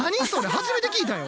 初めて聞いたよ。